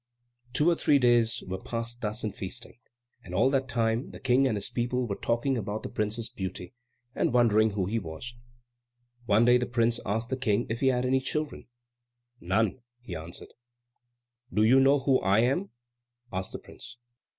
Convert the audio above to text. Two or three days were thus passed in feasting, and all that time the King and his people were talking about the prince's beauty, and wondering who he was. One day the prince asked the King if he had any children. "None," he answered. "Do you know who I am?" asked the prince.